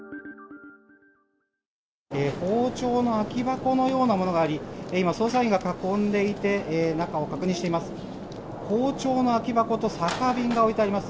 包丁の空き箱のようなものがあり、今、捜査員が囲んでいて、中を確認しています。